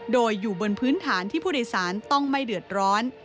โดยอยู่บนพื้นฐานที่ผู้โดยสารต้องไม่เดือดร้อน